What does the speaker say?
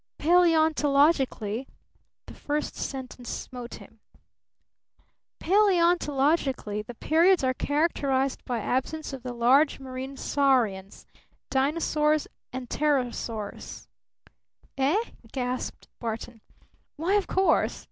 "Paleontologically," the first sentence smote him "Paleontologically the periods are characterized by absence of the large marine saurians, Dinosaurs and Pterosaurs " "eh?" gasped Barton. "Why, of course!"